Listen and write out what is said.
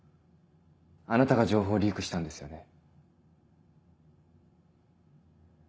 あなたが情報をリークしたんですよね？